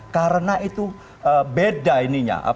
karena itu beda ininya